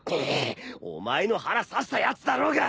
お前の腹刺したやつだろうが！